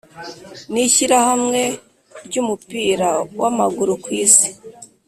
n’Ishyirahamwe ry’Umupira w’Amaguru kwisi